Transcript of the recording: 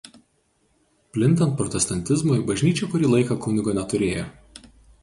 Plintant protestantizmui bažnyčia kurį laiką kunigo neturėjo.